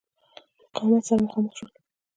مقاومت سره مخامخ نه شول.